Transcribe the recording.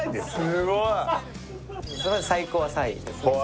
スゴイ最高は３位ですね